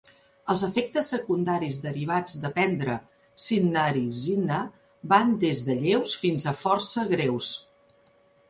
Els efectes secundaris derivats de prendre cinnarizina van des de lleus fins a força greus.